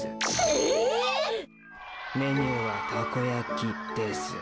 ええ⁉メニューはたこ焼きです。